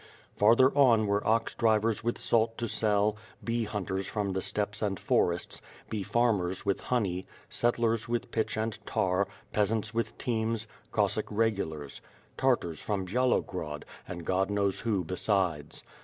Farther on were ox drivers with salt to sell, bee hunters from the steppes and forests, bee farmers with honey, settlers with pitch and tar, peasants with teams, Cossack regulars; Tartars from Byalogrod, and God knows who besides.